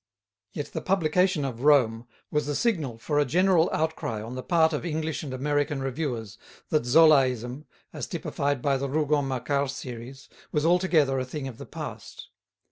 Yet the publication of "Rome," was the signal for a general outcry on the part of English and American reviewers that Zolaism, as typified by the Rougon Macquart series, was altogether a thing of the past.